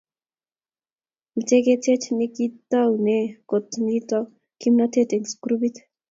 Mete ketech nekitaune kot nitindo kimnatet eng grupit.